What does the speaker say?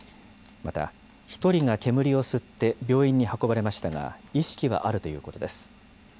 また、１人が煙を吸って病院に運ばれましたが、意識はあるということです。